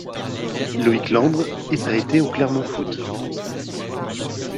Loïck Landre est prêté au Clermont Foot.